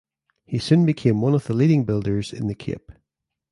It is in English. He soon became one of the leading builders in the Cape.